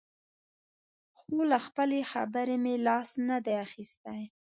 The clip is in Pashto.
خو له خپلې خبرې مې لاس نه دی اخیستی.